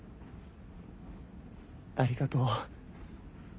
ありがとう。